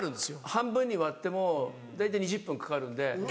半分に割っても大体２０分かかるんで。